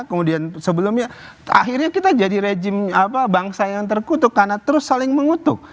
kemudian sebelumnya akhirnya kita jadi rejim bangsa yang terkutuk karena terus saling mengutuk